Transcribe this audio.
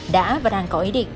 đã và đang có ý định